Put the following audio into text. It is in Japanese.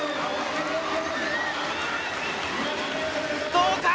どうか？